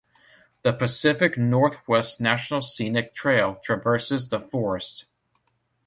The Pacific Northwest National Scenic Trail traverses the Forest.